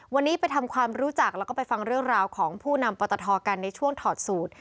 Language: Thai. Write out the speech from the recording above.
วันนี้ไปทำความรู้จักแล้วก็ไปฟังเรื่องราวของผู้นำปตทกันในช่วงถอดสูตร